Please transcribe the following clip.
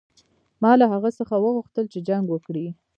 ما له هغه څخه وغوښتل چې جنګ وکړي.